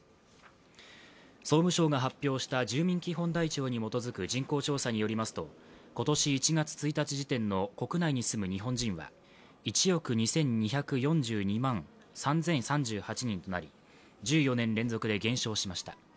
総務省が発表した住民基本台帳に基づく人口調査によりますと、今年１月１日時点の国内に住む日本人は１億２２４２万３０３８人となり、１４年連続で減少しました。